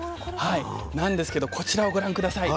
なんですけどこちらをご覧下さい。